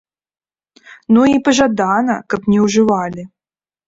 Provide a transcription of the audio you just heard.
Ну і, пажадана, каб не ўжывалі.